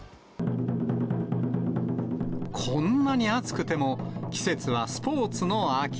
こんなに暑くても、季節はスポーツの秋。